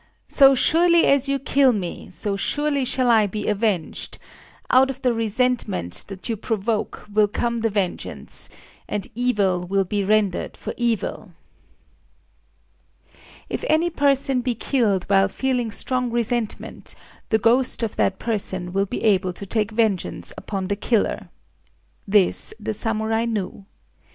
So surely as you kill me, so surely shall I be avenged;—out of the resentment that you provoke will come the vengeance; and evil will be rendered for evil."... If any person be killed while feeling strong resentment, the ghost of that person will be able to take vengeance upon the killer. This the samurai knew.